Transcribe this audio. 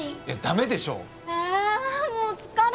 いやダメでしょえっ